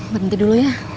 berhenti dulu ya